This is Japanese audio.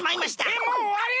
えっもうおわり！？